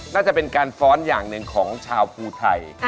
น่าจะเป็นการฟ้อนอย่างหนึ่งของชาวภูไทย